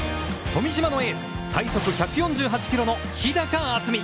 富島のエース、最速１４８キロの日高暖己。